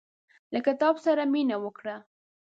له کتاب سره مينه وکړه.